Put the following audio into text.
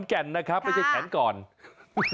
แก่นนะครับไม่ใช่แขนก่อน